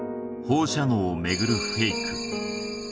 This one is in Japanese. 放射能をめぐるフェイク